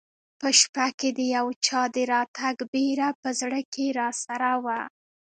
په شپه کې د یو چا د راتګ بېره په زړه کې راسره وه.